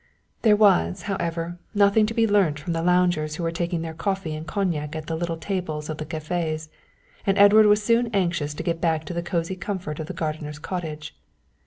There was, however, nothing to be learnt from the loungers who were taking their coffee and cognac at the little tables of the cafés, and Edward was soon anxious to get back to the cosy comfort of the gardener's cottage.